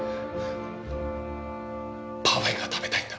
パフェが食べたいんだ。